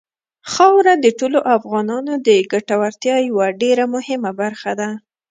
خاوره د ټولو افغانانو د ګټورتیا یوه ډېره مهمه برخه ده.